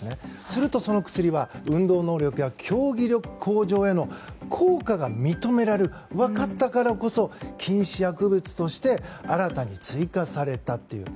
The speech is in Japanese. すると、その薬は運動能力や競技力向上への効果が認められると分かったからこそ禁止薬物として新たに追加されたという。